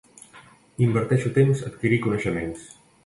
Inverteixo temps a adquirir coneixements.